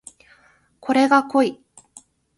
これが濃い